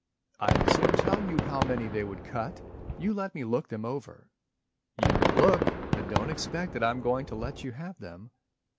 "I could soon tell how many they would cut, You let me look them over." "You could look. But don't expect I'm going to let you have them."